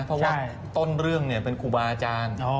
แต่งงเรื่องเนี่ยเป็นครูบาอจารย์